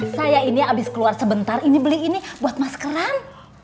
saya ini abis keluar sebentar ini beli ini buat mas keran